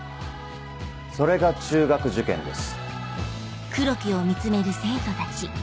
それが中学受験です。